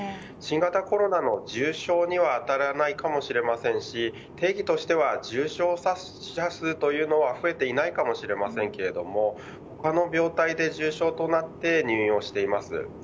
新型コロナの重症にはあたらないかもしれませんし定義としては重症者数というのは増えていないかもしれませんが他の病態で重症となって入院をしています。